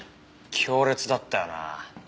強烈だったよなあ。